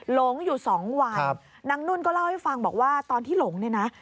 หลงอยู่สองวันนางนุ่นก็เล่าให้ฟังบอกว่าตอนที่หลงเนี่ยนะ